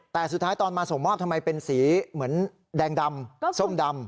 แต่สุดท้ายตอนมาส่งมอบทำไมเป็นสีเหมือนแดงดำส้มดำ